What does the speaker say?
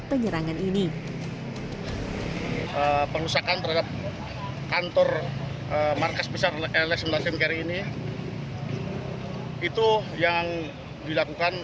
penyerangan ini pengusakan terhadap kantor markas besar lx melaksanakan kiri ini itu yang dilakukan